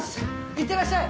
いってらっしゃい！